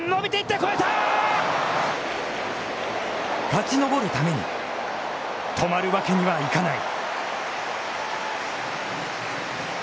勝ち登るために止まるわけにはいかない。